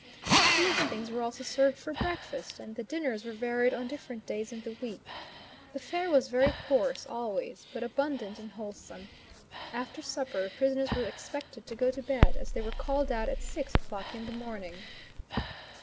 These things were also served for breakfast, and the dinners were varied on different days in the week. The fare was very coarse, always, but abundant and wholesome. After supper prisoners were expected to go to bed, as they were called out at six o'clock in the morning.